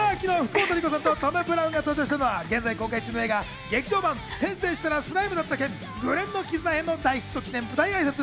さぁ、昨日、福本莉子さんとトム・ブラウンが登場したのは、現在公開中の映画『劇場版転生したらスライムだった件紅蓮の絆編』の大ヒット記念舞台挨拶。